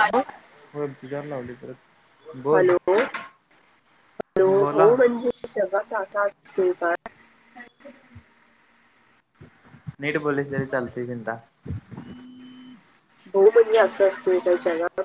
Hello पर तु जाार लावली परत बोल हो बोला हो म्हणजे जेव्हा त असतोय का नीट बोलली तरी लते बिंदास बह बडया असं असतो ए कायच्यागा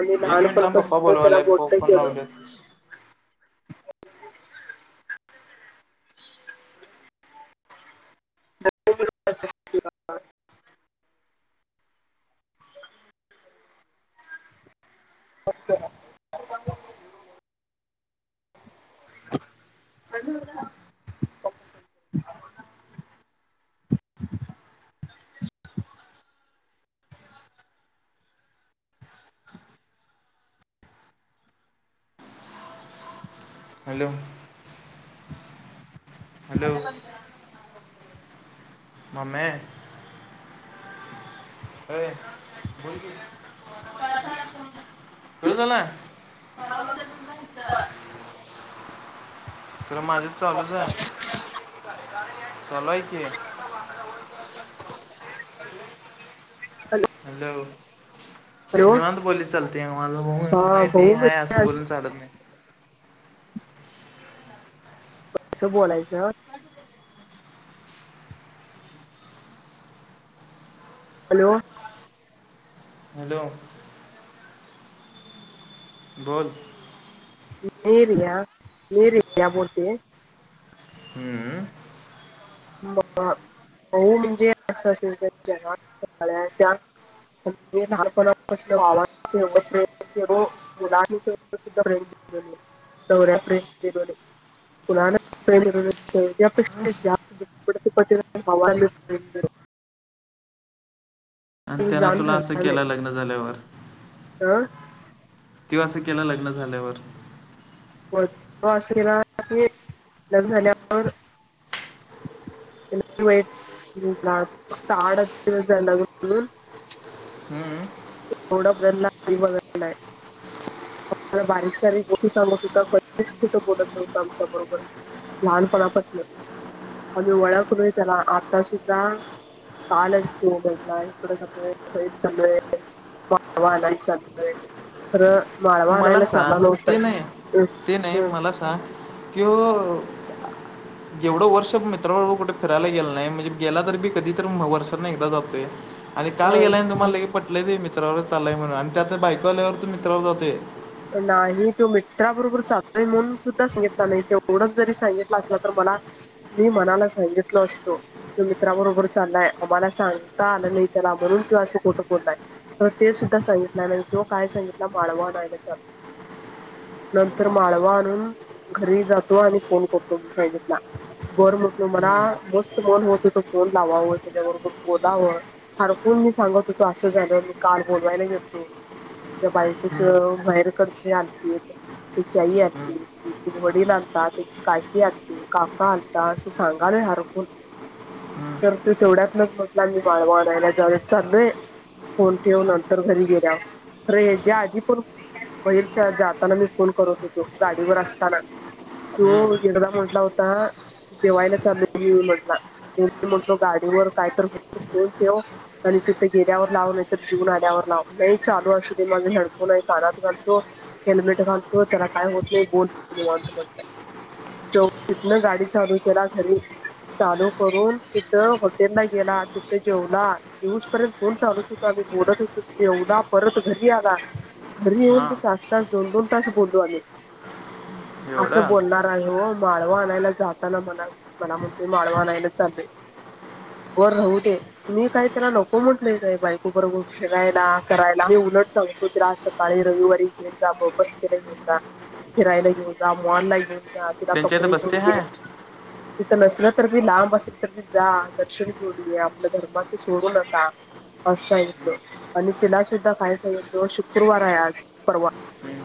आणि लहानपणपास त्याला बोट केेलं ह [inaudible] अच्छा अज हॅलो हॅलो मम अ बोली कळू झा ना का ख माझ चालूच आहे चालू आहेऐ कय हॅलो हॅलो निवांत बोली चालते मला ब हा माहिती भाऊ आहे म्हणजे असं अस- बोलून चालत नाही कसं बोलायचं हॅलो हॅलो बत मर या मर भूती हम्म हो म्हणजे असं असेल जग लक वावा एवढ प्रयत्न केो द््रें्या फ्रें पुरा विस्ती हवा आणि मिळून त्यान जाण तुला असं केलं लग्न झाल्यावर ह तेव्हा असं केलं लग्न झाल्यावर ला झाल्यावर वाईट फक्त आड म्हणून हम्म ड अधला मला बारीक सारीक गोष्टी सांगत होत कधीच कुठं बोलत नव्हतं आमच्या बरोबर लहानपणापासलं आम्ही वळ करून त्याला आता सुद्धा काल असतो बला इकड सग सगळे वा आलाय चालतय तरं मला सांग ते नाही हम्म, ते नाही मला सांग तो एवढं वर्ष मित्रां कुठे फिरायला गेलं नाही म्हणजे गेला तर बी कधी तर वर्षात नाही एकदा जातोय आणि काल हम्म. गेलाय ना तुम्हाला ले पटलंय ते मित्रावरच चाललंय म्हणून आणि त्या तर बाईकवाल्यावर तू मित्रावर जाते नाही तो मित्राबरोबर चाल म्हणून सुद्धा सांगितला नाही तेवढंच जरी सांगितलं असलं तर मला मी मनाला सांगितलो असतो त मित्राबरोबर चाललाय आम्हाला सांगता आलं नाही त्याला म्हणून तू असं कुठं बोललाय तर ते सुद्धा सांगितलं नाही तो काय सांगितला माळवा नाही चा नंतर माळवा आणून घरी जातो आणि फोन करतो सांगितला बरं म्हटलं मला हम्म, मस्त मन होत होत फोन लावाव त्याच्याबरोबर बोलावं हरकून मी सांगत होतो असं झालं मी का बोलवायला गेलतो माझ्या हम्म, बायकोचं माहेरकडचे आलतीत त्यांची आई हम्म, आलती तिझे वडील आलतात त्यांची काकी आलती काका आलता असं सांगारे हरकून हम्म, करते तेवढ्यात ना म्हटलं मी माळव आनायला जावे चाललोय फोन ठेव नंतर घरी गेल्या रे हे ज्या आधी पण बहिरच्या जाताना मी फोन करत होतो गाडीवर असताना तो हम्म, हिडला म्हंटला होता जेवायला चाललोय मी म्हटलं मी म्हटलो गाडीवर काय तरी होईल फोन ठेव आणि तिथे गेल्यावर लाव नाही तर जिवून आल्यावर लाव नेट चालू असू दे माझा हेडफोन आहे कानात घाल तो हेल्मेट घालतो त्याला काय होत नाही बोल तू निवांत म्हणतात चोस न गाडी चालू केला घरी चालू करून तिथं हॉटेल ला गेला तिथं जेवला जिवूसपर्यत फोन चालूच होता मी बोलत होतो तेवढा परत घरी आला घरी येऊन बी हा तास तास दोन दोन तास बोलो आम्ही असं एवढं बोलणार आहे हो माळव आणायला जाताना मला मला म्हणते माळव आणायला चाललोय बर राहू दे मी काय त्याला नको म्हटलोय काय बायको बरोबर फिरायला करायला मी उलट सांगतो तिला अस काळी रविवारी फिरत जा उपस्थेत घेऊन जा फिरायला घेऊन जा मॉलला घेऊन जा तिला त्यांच्या इथं कपडे घेऊन बस्ते दे हाय तिथं नसलं तर मी लांब असेल तर मी जा दर्शन घेऊन ये आपलं धर्माचं सोडू नका अस सांगितल आणि तिला सुद्धा काय झालं होतं शुक्रवार आहे आज परवा. हम्म,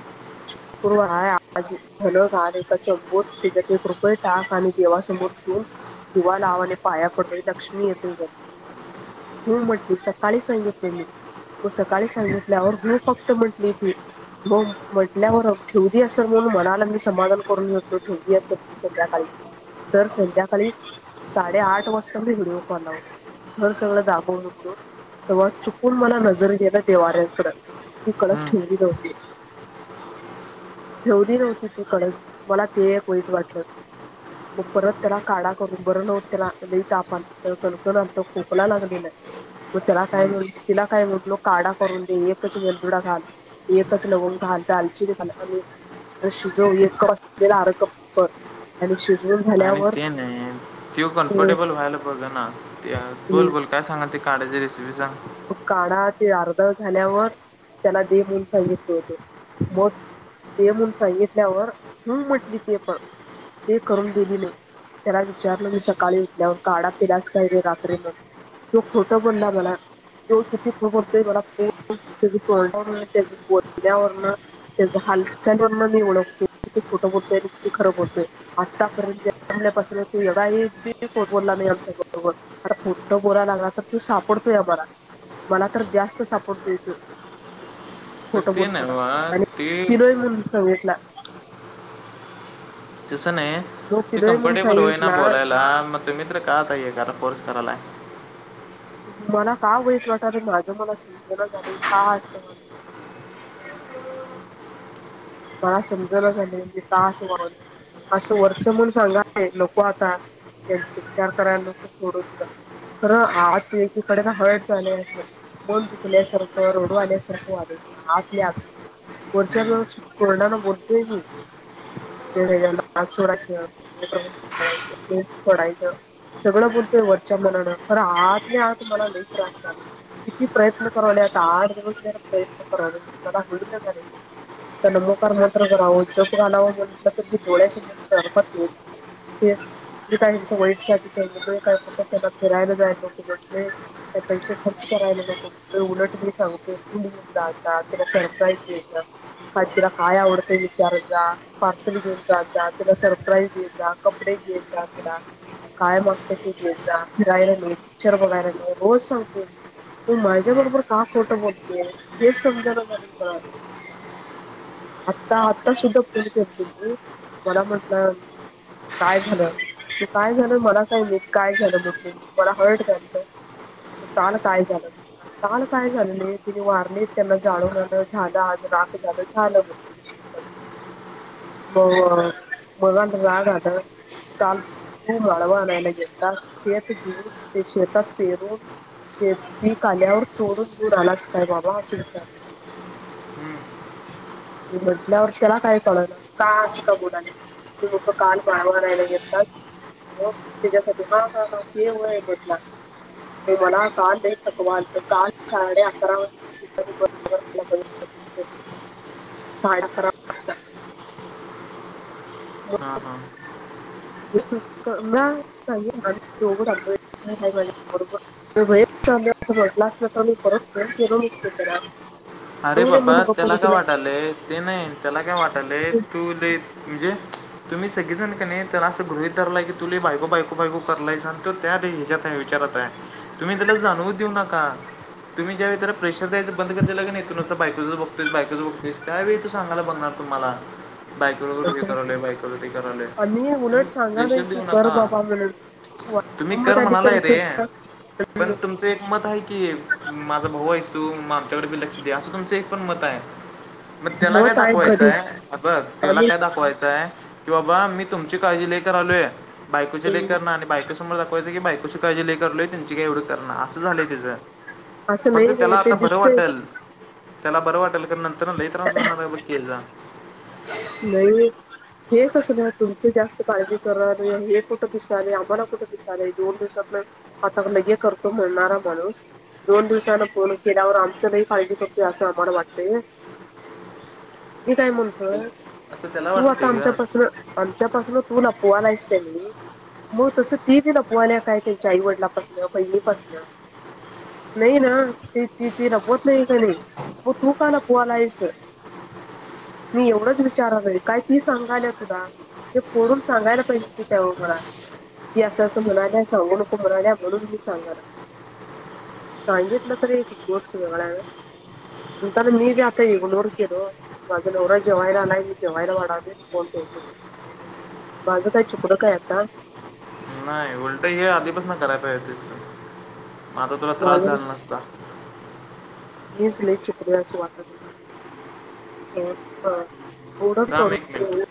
शुक्रवार हाय आज धन घाल एकाच बोत ते ज्यात एक रुपय टाक आणि देवासमोर ठेव दिवा लाव आणि पाया पड लक्ष्मी येतील घरी. हम्म म्हटली सकाळी सांगितलेले. सकाळी सांगितल्यावर हु फक्त म्हंटली ती. मग म्हटल्यावर ठेवली असल म्हणून मनाला मी समाधान करून घेतलो ठेवली असेल ती संध्याकाळी. तर संध्याकाळी साडेआठ वाजता मी व्हिडिओ कॉल लावले. घर सगळं दाखवू उठलो. तेव्हा चुकून मला नजर गेल देवाऱ्यांकड ती कळस हम्म, ठेवली नव्हती. ठेवली नव्हती ती कळस मला ते एक वाईट वाटलं. मग परत तेला काढा करून बर नव्हतं तेला लई ताप आल त कणकण आलत खोकला लागलेलं. मग त्याला काय हम्म. म्ह तिला काय म्हटलो काढा करून दे एकच वेलदुडा घाल एकच लवंग घाल दालचिरी खा आणि शिजव एक कप असलेला आर कप कर. आणि शिजवून आणि झाल्यावर ते नाही तो कंफर्टेबल अ व्हायला बघना त्यात बोलबोल. काय सांगालती काढ्याची रेसिपी सांग. काढा ते अर्ध झाल्यावर त्याला दे म्हणून सांगितल होतो. मग दे म्हणून सांगितल्यावर हम्म म्हटली ती पण ते करून दिली नाही. त्याला विचारलं मी सकाळी उठल्यावर काढा पिलास काय रात्री म्हण. तो खोटं बोलला मला. तो किती खोट बोलतोय पूर्ण त्याच्या तोंडावरन त्या बोलण्यावरन तेज हालचालीवर मी ओळखतोय किती खोटं बोलतोय आणि किती खर बोलतोय. आतापर्यंत जन्मल्यापासून तो एवढाही खोट बोलला नाही आमच्या बरोबर. फार खोटं बोलाय लागला तर तो सापडतोय काय आम्हाला. मला तर जास्त सापडतोय तो. पण खोट ते नाही बोलताना बाबा. आणि ते पिलोय म्हणून सांगितला. तसं नाही जो ती पिलोय म्हणून कंफर्टेबल होईना सांगितला बोलायला मग तुम्ही तर का आता एखादा फोर्स करालाय. मला का वाईट वाटालय माझं मला समझना झालंय का असं व्हालय. मला समजलं झालाय मी का असं वागलोय. असं वरचं म्हणून सांगाय नको आता यांचा विचार करायला नको सोडून दिला. खरं आत एकीकडे ना हार्ट झालंय असं. मन दुखल्यासारखं रोडू आल्यासारखं व्हालंय मला आातल्या आत वरच्या हं, वर तोडान बोलतोय मी. ते [unintelligible] सोडायचं सगळं बोलतोय वरच्या मनानंर खरं आतल्या आत मला लई त्रास व्हालंय. किती प्रयत्न करालोय आता आड दिवस ज प्रयत्न करालोय मला हुइना झालंय. तर नमोकार मंत्र कराव जप घालावं म्हंटलतरी डोळ्यासमोर सारख तेच. तेच मी काही त्यांच्या वाईट साठी सांगितलोय काय फक्त त्यांना फिरायला जायला नको म्हंटलोय. काय पैसे खर्च करायला नको उलट मी सांगतो [unintelligible] जात जा त्याला सरप्राईज देत जा. काय तीला काय आवडतंय विचारत जा. पार्सल घेऊन जात जा तीला सरप्राईज घेत जा कपडे घेेत जा तीला. काय मागत्यां ते घेत जा फिरायला ने पिक्चर बघायला रोज सांगते मी. ती माझ्या हं, बरोबर का खोटं बोलतोय हेच समजना झालाय म्ह. आता आत्ता सुद्धा फोन केलते मी मला म्हटलं काय झालं काय झालं मला काही नाही काय झालं म्हंटलो मी. मला हार्ट करतय मग काल काय झालं म. काळ काय झालेय तिने वारलेत त्यांना जाळूनलं झालं आज राख झालं. झालं मग पैशे कट मग मगाल रागा आलं. काल तू माळव आणायला गेलातास, [inaudible] देऊन ते शेतात पेरून ते पीक आल्यावर तोडून घेऊन आलास काय बाबा असं विचार हं. म्हटल्यावर त्याला काय कळणा का अस का बोलाले मी म्हटलो काल माळव आणायला गेलातास हो त्याच्यासाठी वय आहे म्हटला मला काल लई चाकवलत, काल साडे अकरा [inaudible] खायला बघितलं साडे अकरा [inaudible] हा हा [inaudible] भय असं म्हटला तर मी परत फोन केलो नसते तेला अरे बाबा त्याला काय वाटाले, ते नाही त्याला काय वाटाले तू लई म्हणजे तुम्ही सगजण का नाही तर असं गृहीत धरलाय की तु लई बायको बायको बायको करलाय जाल त त्या ह्याच्यात विचारात आहे तुम्ही त्याला जाणवू देऊ नका तुम्ही ज्यावे प्रेशर द्यायचं बंद करयचिला कणी [inaudible] बाईक बायकुच बघतेयस बायकच बघतेस काय वेळी तू सांगाला बघगणार तुम्हाला बायकोला हे करालोइ बायकोला ते करालोय आम्ही तु उलट सांगा प्रेशर नाही की देऊ कर नका बाबा म्हणून ती तुम्ही कर वाचनासाठी म्हणालाय तरी रे सुद्धा पण तुमचं एक मत आहे की माझा भाऊ आहे तू आमच्याकडे बी लक्ष असं तुमचं एक पण मत आहे मग त्याला काय मत आहे कधी दाखवायचंय बघ त्याला आणि काय दाखवायचं म्हणायचं बाबा मी तुमची लई काळजी कारलोई, बायकोची अं, कराना आलोय बाक ले तो दाखवतोयं की बायकोची काळजी करलोय त्यांची काय एवढं करं असं झालंयिचं असं फक्त नाही त्याला रे ते आता बरं दिसते वाटेल त्याला बरं वाटेल कार नंतर लई त्रास बनणार आहे बर केल जा नाही हे कसं नाही तुमच जास्त काळजी करणार नाही, हे कुठं पसाल आम्हाला कुठे पिसाले दोन दिवसात आता लग करतो म्हणणारा माणूस दोन दिवसांना पूर्ण केल्यावर आमच्याला काळजी करते असं आम्हाला वाटतय मी काय म्हणतोय असं त्याला तू आता वाटतंय ग आमच्यापासन आमच्यापासून तू लपहालासते मी मग तसं ती बी लपवायल्या काय त्यांच्या आईवडलापासन, बहिणीपासन नाही ना त त ती लपवत नाही त्याणी म तू का लपवलाइस? मी एवढंच विचारालुई काय ती सांगायला तुला ते पोडून सांगायला पाहिजे की त्या उरात की असं असं म्हणाल्या सांगू नको म्हणाल्या म्हणून मी सांगणार सांगितलं ना तरी एक गोष्ट वेगळा आहे म्हणून मी बी आता इग्नोर केलो, माझा नवरा जेवायला आलाय जेवायला वाढवते फोन ठेवतो माझं काय चुकडं काय आता उलटं हे आधीपास ना कराय पाहिजे असत तुला त्रास माझं झाला नसता मीच लई चुकलो अस वाटलंय, हम्म हा थांब एक मिनट